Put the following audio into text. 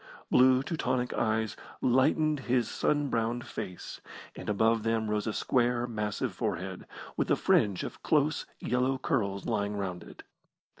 Blue Teutonic eyes lightened his sun browned face, and above them rose a square, massive forehead, with a fringe of close yellow curls lying round it.